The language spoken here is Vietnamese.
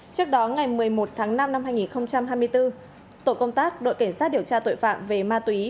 trước đó ngày một mươi một tháng năm năm hai nghìn hai mươi bốn tổ công tác đội cảnh sát điều tra tội phạm về ma túy